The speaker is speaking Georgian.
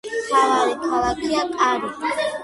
მთავარი ქალაქია კარი.